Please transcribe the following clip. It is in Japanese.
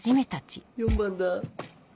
４番だ。